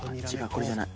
これじゃない。